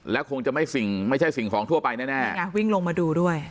แล้วคงจะไม่สิ่งไม่ใช่สิ่งของทั่วไปแน่นี่ไงวิ่งลงมาดูด้วย